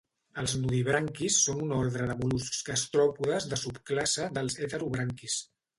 Els nudibranquis són un ordre de mol·luscs gastròpodes de subclasse dels heterobranquis